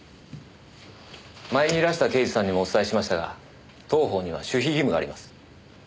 前にいらした刑事さんにもお伝えしましたが当方には守秘義務があります。